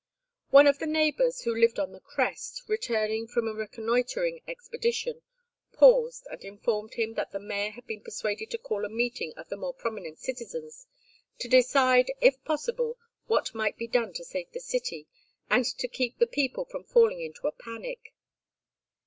One of the neighbors, who lived on the crest, returning from a reconnoitring expedition, paused and informed him that the mayor had been persuaded to call a meeting of the more prominent citizens, to decide, if possible, what might be done to save the city, and to keep the people from falling into a panic.